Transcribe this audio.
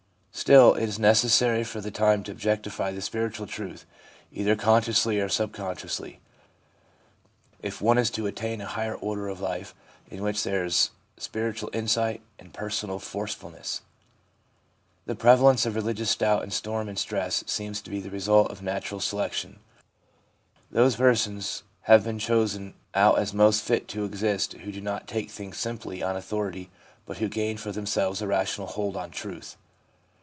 Still, it is necessary for the time to objectify spiritual truth, either consciously or sub consciously, if one is to attain a higher order of life in which there is spiritual insight and personal forcefulness. The prevalence of religious doubt and storm and stress seems to be the result of natural selection. Those persons have been chosen out as most fit to exist who do not take things simply on authority, but who gain for themselves a rational hold on truth.